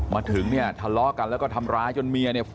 มาถึงเนี่ยทะเลาะกันแล้วก็ทำร้ายจนเมียเนี่ย